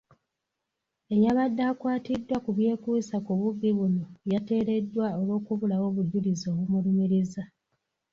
Eyabadde akwatiddwa ku byekuusa ku bubbi buno yateereddwa olw'okubulawo obujulizi obumulumiriza.